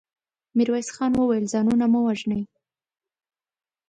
ميرويس خان وويل: ځانونه مه وژنئ.